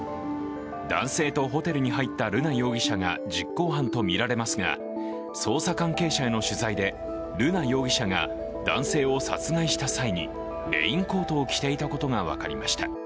男性とホテルに入った瑠奈容疑者が実行犯とみられますが、捜査関係者への取材で瑠奈容疑者が男性を殺害した際にレインコートを着ていたことが分かりました。